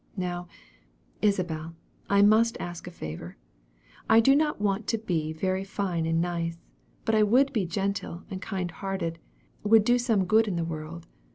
Now, Isabel, I must ask a favor. I do not want to be very fine and nice; but I would be gentle and kind hearted would do some good in the world.